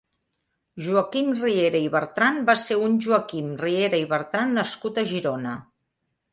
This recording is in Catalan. Joaquim Riera i Bertran va ser un joaquim Riera i Bertran nascut a Girona.